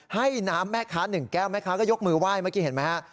ให้น้ำแม่ค้า๑แก้วแม่ค้าก็ยกมือไหว้เมื่อกี้เห็นไหมฮะ